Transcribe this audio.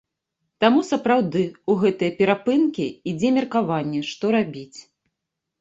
Таму, сапраўды, у гэтыя перапынкі ідзе меркаванне, што рабіць.